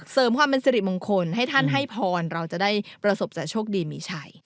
เสริมความเป็นสิริมงคลให้ท่านให้พรเราจะได้ประสบจะโชคดีมีชัย